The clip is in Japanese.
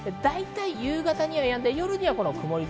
夕方にはやんで夜には曇り空。